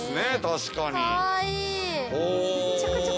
確かに。